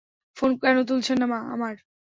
Phone কেন তুলছেন না আমার?